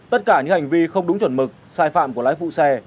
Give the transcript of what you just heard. tất cả những hành vi không đúng chuẩn mực sai phạm của lái phụ xe